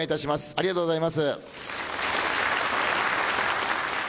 ありがとうございます。